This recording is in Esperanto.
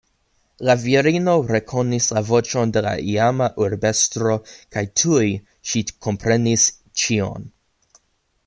La virino rekonis la voĉon de la iama urbestro kaj tuj ŝi komprenis ĉion.